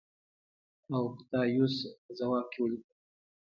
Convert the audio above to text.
اوکتایوس په ځواب کې ولیکل